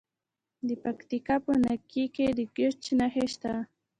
د پکتیکا په نکې کې د ګچ نښې شته.